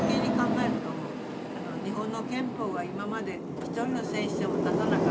日本の憲法が今まで一人の戦死者も出さなかった。